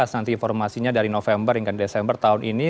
nanti informasinya dari november hingga desember tahun ini